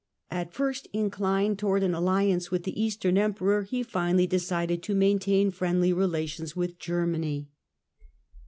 At first inclined to wards an alliance with the Eastern Emperor, he finally decided to maintain friendly relations with Germany.